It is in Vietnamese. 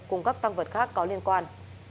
cùng các tăng vật khác có liên quan